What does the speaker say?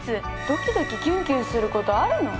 ドキドキキュンキュンすることあるの？